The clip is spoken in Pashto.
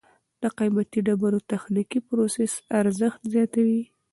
د قیمتي ډبرو تخنیکي پروسس ارزښت زیاتوي.